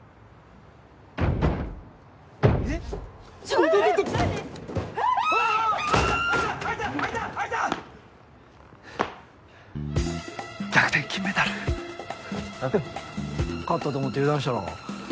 勝ったと思って油断したろう。